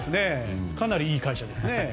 かなりいい会社ですね。